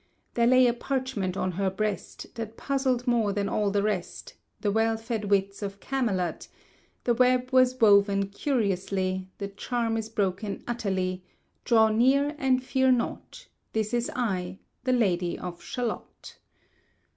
There lay a parchment on her breast That puzzled more than all the rest The well fed wits of Camelot: "The web was woven curiously, The charm is broken utterly; Draw near and fear not, this is I The Lady of Shalott."